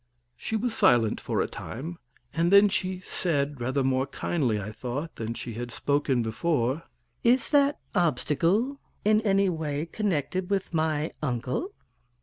She was silent for a time, and then she said, rather more kindly, I thought, than she had spoken before: "Is that obstacle in any way connected with my uncle?"